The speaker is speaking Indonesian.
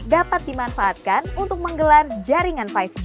dapat dimanfaatkan untuk menggelar jaringan lima g